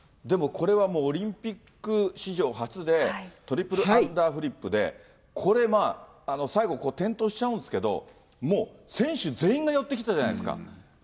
でも、これはオリンピック史上初で、トリプルアンダーフリップで、これ最後、転倒しちゃうんですけど、もう選手全員が寄ってきたじゃないですか。